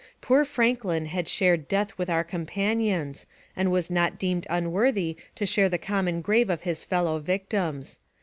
Poor Franklin had shared death with our companions, and was not deemed unworthy to share the common grave of his fellow victims.